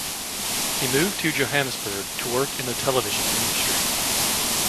He moved to Johannesburg to work in the television industry.